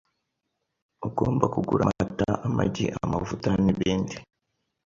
Ugomba kugura amata, amagi, amavuta, nibindi .